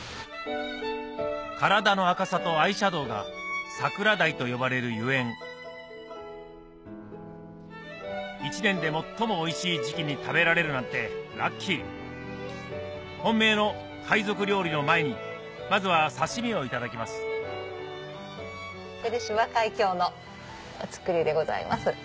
体の赤さとアイシャドーがサクラダイと呼ばれるゆえん一年で最もおいしい時季に食べられるなんてラッキー本命の海賊料理の前にまずは刺身をいただきます来島海峡のお造りでございます。